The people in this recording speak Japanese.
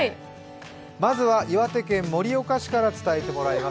まずは岩手県盛岡市から伝えてもらいます。